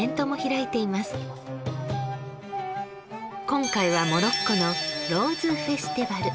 今回はモロッコのローズフェスティバル。